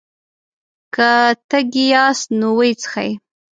که تږي ياست نو ويې څښئ!